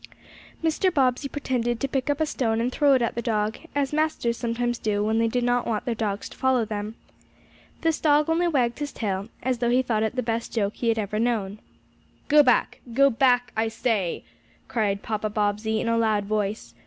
Mr. Bobbsey pretended to pick up a stone and throw it at the dog, as masters sometimes do when they do not want their dogs to follow them. This dog only wagged his tail, as though he thought it the best joke he had ever known. "Go back! Go back, I say!" cried Papa Bobbsey in a loud voice.